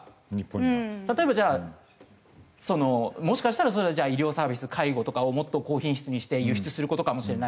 例えばじゃあそのもしかしたら医療サービス介護とかをもっと高品質にして輸出する事かもしれない。